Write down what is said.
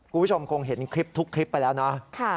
คุณผู้ชมคงเห็นคลิปทุกคลิปไปแล้วนะ